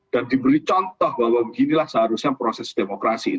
dan diberi contoh bahwa beginilah seharusnya proses demokrasi